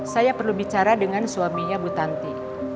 saya perlu bicara dengan suaminya bu tanti